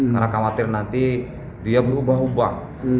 karena khawatir nanti dia berubah ubah